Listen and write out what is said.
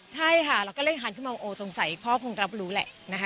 ใช่ค่ะเราก็เรียกท่านขึ้นมาโอ้สงสัยพ่อคงรับรู้แหละนะคะ